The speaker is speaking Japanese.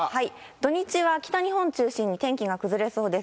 土日は北日本中心に天気が崩れそうです。